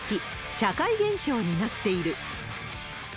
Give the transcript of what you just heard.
社会現象になっている。